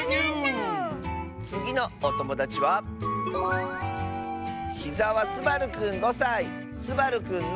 つぎのおともだちはすばるくんの。